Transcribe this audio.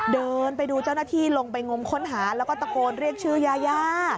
เดินไปดูเจ้าหน้าที่ลงไปงมค้นหาแล้วก็ตะโกนเรียกชื่อยายา